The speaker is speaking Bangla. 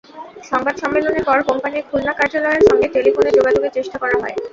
সংবাদ সম্মেলনের পর কোম্পানির খুলনা কার্যালয়ের সঙ্গে টেলিফোনে যোগাযোগের চেষ্টা করা হয়।